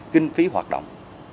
kinh phí hoạt động